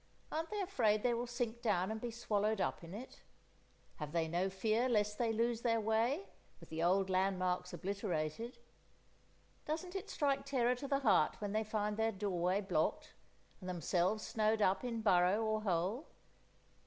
Aren't they afraid they will sink down and be swallowed up in it? Have they no fear lest they lose their way, with the old landmarks obliterated? Doesn't it strike terror to the heart when they find their doorway blocked, and themselves snowed up in burrow or hole?